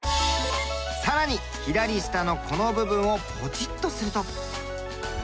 さらに左下のこの部分をポチッとすると。